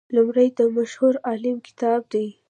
لومړی د مشهور عالم کتاب دی.